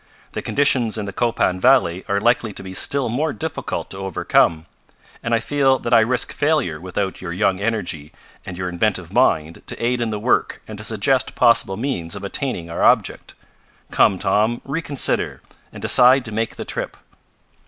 The conditions in the Copan valley are likely to be still more difficult to overcome, and I feel that I risk failure without your young energy and your inventive mind to aid in the work and to suggest possible means of attaining our object. Come, Tom, reconsider, and decide to make the trip."